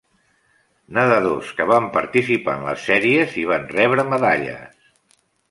Nedadors que van participar en les sèries i van rebre medalles.